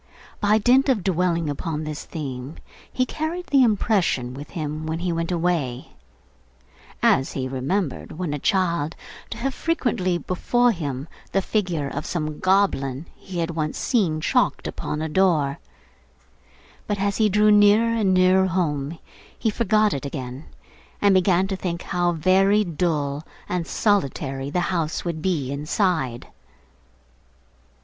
By dint of dwelling upon this theme, he carried the impression with him when he went away; as he remembered, when a child, to have had frequently before him the figure of some goblin he had once seen chalked upon a door. But as he drew nearer and nearer home he forgot it again, and began to think how very dull and solitary the house would be inside.